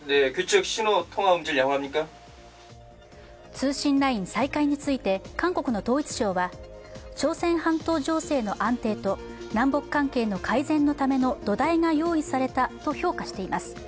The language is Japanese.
通信ライン再開について、韓国の統一省は朝鮮半島情勢の安定と南北関係改善のための土台が用意されたと評価しています。